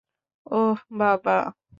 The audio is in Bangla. ওহ, বাবা!